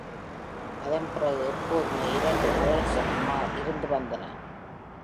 அதன் பிறகு எப்போதுமே இரண்டு earls of Mar இருந்து வந்தன.